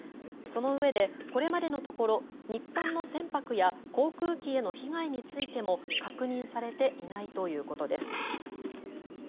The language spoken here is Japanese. そのうえで、これまでのところ日本の船舶や航空機への被害についても確認されていないということです。